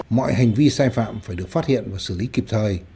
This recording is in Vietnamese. mọi hành vi sai phạm phải được phát hiện và xử lý kịp thời